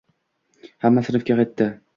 Hamma sinfga qaytdi